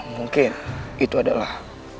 mungkin itu adalah